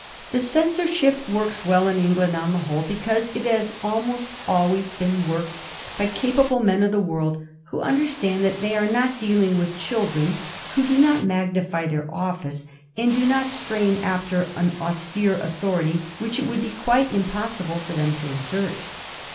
The censorship works well in Eng land on the whole, because it has almost always been worked by capable men of the world who understand that they are not dealing with children, who do not magnify their office, and do not strain after an austere authority which it would be quite impossible for them to exert.